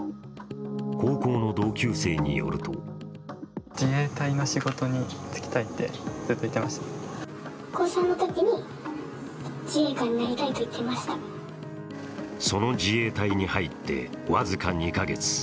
高校の同級生によるとその自衛隊に入って僅か２か月。